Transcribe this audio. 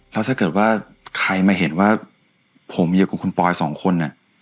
แล้วถ้าเกิดว่าใครมาเห็นว่าผมอยู่กับคุณปอยสองคน